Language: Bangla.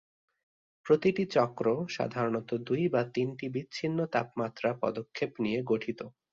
প্রতিটি চক্র সাধারণত দুই বা তিনটি বিচ্ছিন্ন তাপমাত্রা পদক্ষেপ নিয়ে গঠিত।